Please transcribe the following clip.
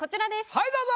はいどうぞ！